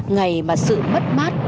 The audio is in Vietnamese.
ngày mà sự mất mát